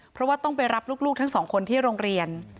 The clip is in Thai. เพราะว่าต้องไปรับลูกทั้งสองคนที่โรงเรียน